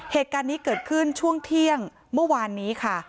เหตุการณ์นี้เกิดขึ้นช่วงเที่ยงเมื่อวานนี้ค่ะ